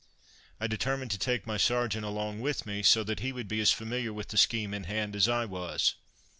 I determined to take my sergeant along with me, so that he would be as familiar with the scheme in hand as I was.